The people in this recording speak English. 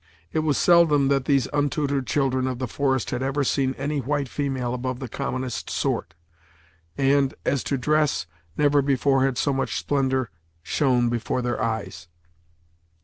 It was seldom that these untutored children of the forest had ever seen any white female above the commonest sort, and, as to dress, never before had so much splendor shone before their eyes.